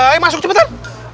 ayo masuk cepetan